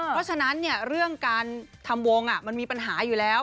เพราะฉะนั้นเรื่องการทำวงมันมีปัญหาอยู่แล้ว